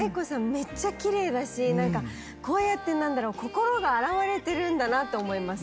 めっちゃきれいだしこうやってなんだろう心が洗われてるんだなって思います